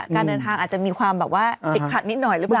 การเดินทางอาจจะมีความแบบว่าติดขัดนิดหน่อยหรือเปล่า